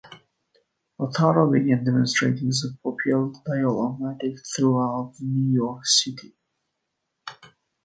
Notaro began demonstrating the Popeil Dial-O-Matic throughout New York City.